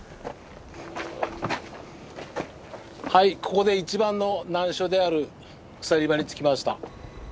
はいここで一番の難所である鎖場に着きました。